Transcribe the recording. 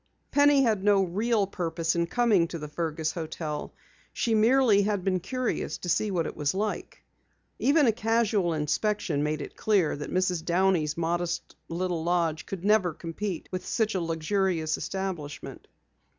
Penny had no real purpose in coming to the Fergus hotel. She merely had been curious to see what it was like. Even a casual inspection made it clear that Mrs. Downey's modest little lodge never could compete with such a luxurious establishment.